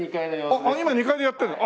あっ今２階でやってんの？